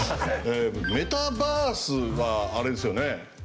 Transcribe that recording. メタバースはあれですよね？